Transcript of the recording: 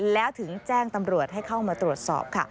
แล้วถึงแจ้งตำรวจให้เข้ามาตรวจสอบค่ะ